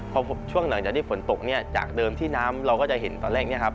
พอช่วงหนักจะได้ฝนตกจากเดิมที่น้ำเราก็จะเห็นตอนแรก